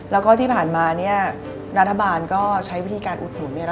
แล้วก็ที่ผ่านมารัฐบาลก็ใช้วิธีการอุดหนุน